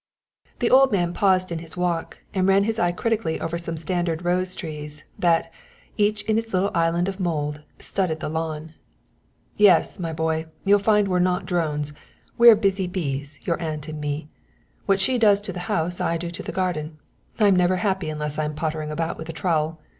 The old man paused in his walk and ran his eye critically over some standard rose trees, that, each in its little island of mould, studded the lawn. "Yes, my boy, you'll find we're not drones. We're busy bees, your aunt and me; what she does to the house I do to the garden. I'm never happy unless I'm pottering about with a trowel.